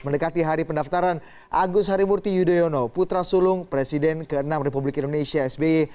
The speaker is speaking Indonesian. mendekati hari pendaftaran agus harimurti yudhoyono putra sulung presiden ke enam republik indonesia sby